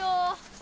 あ！